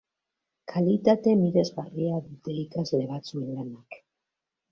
Kalitate miresgarria dute ikasle batzuen lanak.